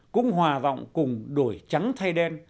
cũng hòa vọng cùng đổi trắng thay đen